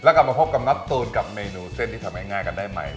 กลับมาพบกับนัทตูนกับเมนูเส้นที่ทำง่ายกันได้ใหม่